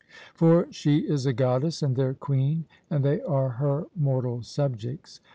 For she is a goddess and their queen, and they are her mortal subjects.